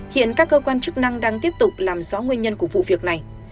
hiện các cơ quan chức năng đang tiếp tục làm rõ nguyên nhân của vụ việc này